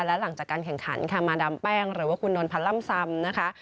และหลังจากการแข่งขันค่ะมาดามแป้งหรือว่าคุณนนพันธ์ล่ำซำนะคะ